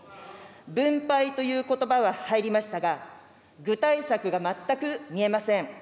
分配ということばは入りましたが、具体策が全く見えません。